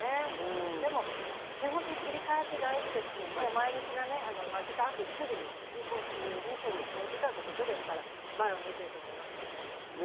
でも切り替えって大事ですし、前向きな負けた後に次、行こうっていう声が聞こえていたということですから、前を向いていると思いますからね。